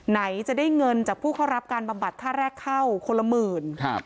ไหนจะได้เงินจากผู้เข้ารับการบำบัดค่าแรกเข้าคนละหมื่นครับ